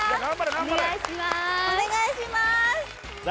お願いします！